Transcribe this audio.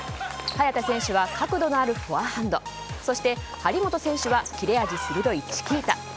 早田選手は角度のあるフォアハンドそして、張本選手は切れ味鋭いチキータ。